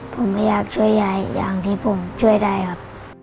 ผมไม่อยากช่วยยายอย่างที่ผมช่วยได้ครับ